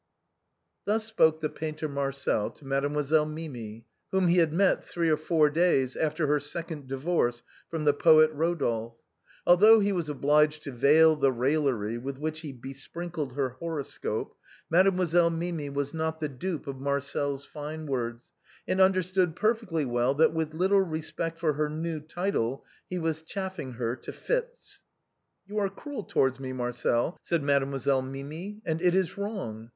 Thus spoke the painter Marcel to Mademoiselle Mimi, whom he had met three or four days after her second di vorce from the poet Rodolphe. Although he was obliged to veil the raillery with which he besprinkled her horoscope. Mademoiselle Mimi was not the dupe of Marcel's fine words and understood perfectly well that with little respect for her new title, he was chaffing her to fits. " You are cruel towards me, Marcel," said Mademoiselle Mimi, " and it is wrong.